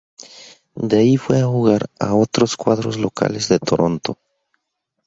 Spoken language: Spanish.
De ahí fue a jugar a otros cuadros locales de Toronto.